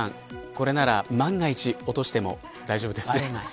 これなら万が一落としても大丈夫ですね。